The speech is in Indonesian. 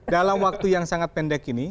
dalam waktu yang sangat pendek ini